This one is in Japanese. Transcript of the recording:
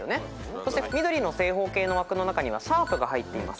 そして緑の正方形の枠の中にはシャープが入っています。